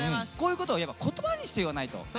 こういうことはやっぱ言葉にして言わないと。